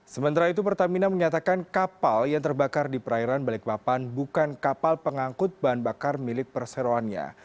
sementara itu pertamina menyatakan kapal yang terbakar di perairan balikpapan bukan kapal pengangkut bahan bakar milik perseroannya